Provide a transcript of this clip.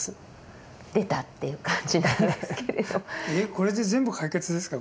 これで全部解決ですか？